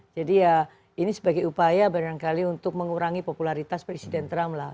jadi ya ini sebagai upaya barangkali untuk mengurangi popularitas presiden trump lah